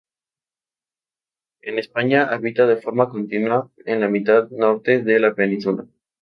En España habita de forma continua en la mitad norte de la península.